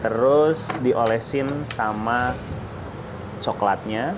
terus diolesin sama coklatnya